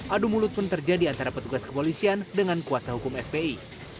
adu mulut pun terjadi antara petugas kepolisian dengan kuasa hukum fpi